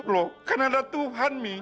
loh kan ada tuhan nih